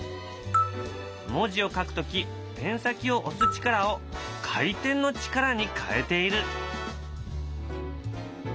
文字を書く時ペン先を押す力を回転の力に変えている。